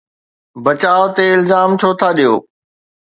بچاءُ تي الزام ڇو ٿا ڏيو؟